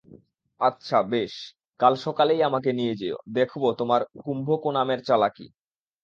আচ্ছা, বেশ, কাল সকালেই আমাকে নিয়ে যেয়ো, দেখব তোমার কুম্ভকোনামের চালাকি।